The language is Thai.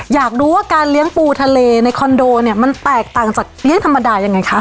อยากรู้ว่าการเลี้ยงปูทะเลในคอนโดเนี่ยมันแตกต่างจากเลี้ยงธรรมดายังไงคะ